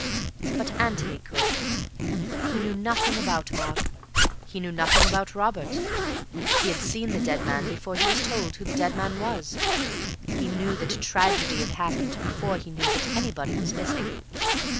But Antony could. He knew nothing about Mark; he knew nothing about Robert. He had seen the dead man before he was told who the dead man was. He knew that a tragedy had happened before he knew that anybody was missing.